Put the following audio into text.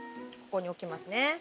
ここに置きますね。